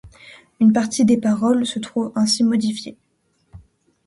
Une partie des paroles se trouve ainsi modifiée.